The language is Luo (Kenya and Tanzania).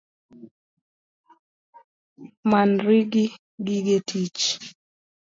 Manri gi gige tich